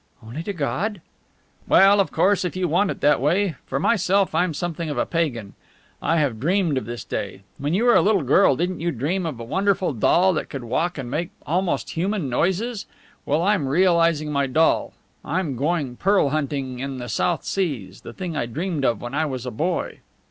"Only to God?" "Well, of course, if you want it that way. For myself, I'm something of a pagan. I have dreamed of this day. When you were a little girl didn't you dream of a wonderful doll that could walk and make almost human noises? Well, I'm realizing my doll. I am going pearl hunting in the South Seas the thing I dreamed of when I was a boy."